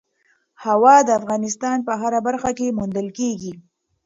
هوا د افغانستان په هره برخه کې موندل کېږي.